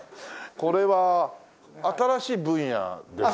これは新しい分野ですか？